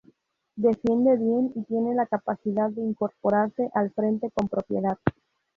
Defiende bien y tiene la capacidad de incorporarse al frente con propiedad.